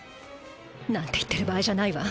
なんて言ってる場合じゃないわ。